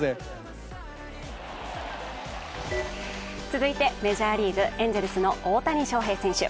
続いてメジャーリーグ、エンゼルスの大谷翔平選手。